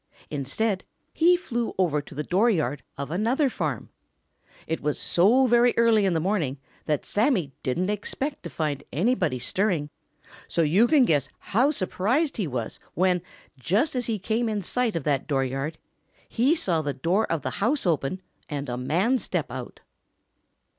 Instead, he flew over to the dooryard of another farm. It was so very early in the morning that Sammy didn't expect to find anybody stirring, so you can guess how surprised he was when, just as he came in sight of that dooryard, he saw the door of the house open and a man step out.